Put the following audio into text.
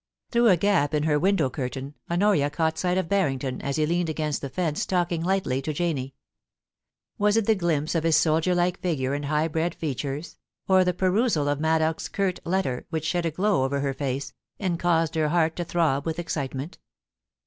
Through a gap in her window curtain Honoria caught sight of Harrington, as he leaned against the fence talking lightly to Janie. Was it the glimpse of his soldier like figure and high bred features, or the perusal of Maddox's curt letter, which shed a glow over her face, and caused her heart to throb with excitement